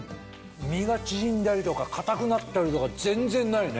身が縮んだりとか硬くなったりとか全然ないね。